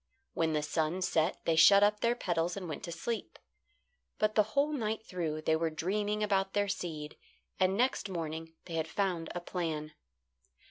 When the sun set they shut up their petals and went to sleep; but the whole night through they were dreaming about their seed, and next morning they had found a plan.